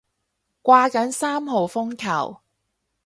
掛緊三號風球